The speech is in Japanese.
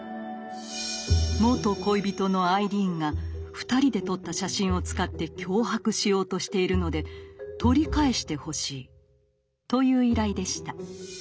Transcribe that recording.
「元恋人のアイリーンが二人で撮った写真を使って脅迫しようとしているので取り返してほしい」という依頼でした。